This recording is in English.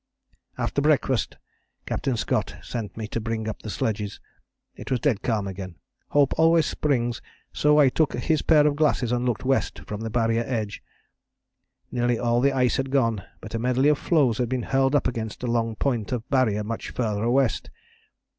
"After breakfast Captain Scott sent me to bring up the sledges. It was dead calm again. Hope always springs, so I took his pair of glasses and looked west from the Barrier edge. Nearly all the ice had gone, but a medley of floes had been hurled up against a long point of Barrier much farther west.